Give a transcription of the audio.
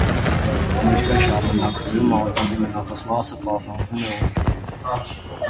Ներկա ժամանակներում անտառի մնացած մասը պահպանվում է օրենքներով։